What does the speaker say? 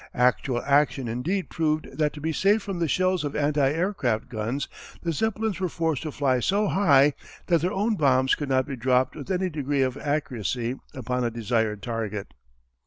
Actual action indeed proved that to be safe from the shells of anti aircraft guns, the Zeppelins were forced to fly so high that their own bombs could not be dropped with any degree of accuracy upon a desired target.